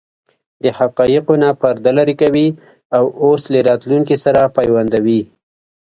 د حقایقو نه پرده لرې کوي او اوس له راتلونکې سره پیوندوي.